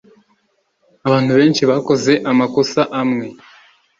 Abantu benshi bakoze amakosa amwe